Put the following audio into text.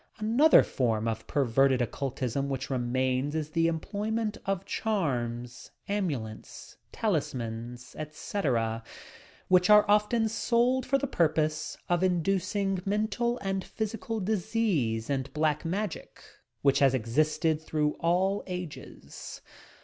Another form of perverted oc cultism which remains is the employment of charms, amulets, talismans, etc., which are often sold for the purpose of inducing mental and physical disease and "Black Magic" which has existed through all ages.